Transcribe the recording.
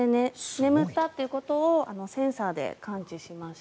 眠ったということをセンサーで感知しまして。